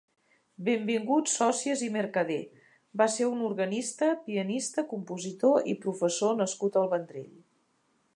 Benvingut Socias i Mercadé va ser un organista, pianista, compositor i professor nascut al Vendrell.